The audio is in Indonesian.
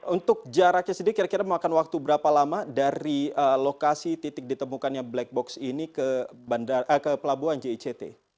untuk jaraknya sendiri kira kira memakan waktu berapa lama dari lokasi titik ditemukannya black box ini ke pelabuhan jict